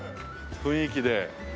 雰囲気で。